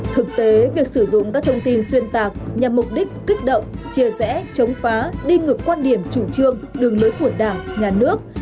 thực tế việc sử dụng các thông tin xuyên tạc nhằm mục đích kích động chia rẽ chống phá đi ngược quan điểm chủ trương đường lối của đảng nhà nước